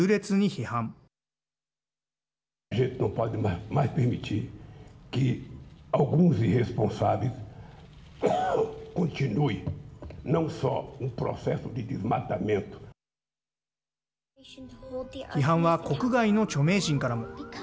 批判は国外の著名人からも。